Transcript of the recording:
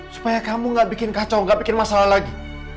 supaya kamu gak bikin kacau gak bikin masalah lagi